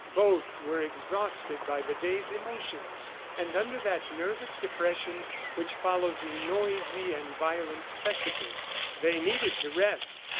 Both were exhausted by the day's emotions and under that nervous depression which follows noisy and violent spectacles. They needed to rest.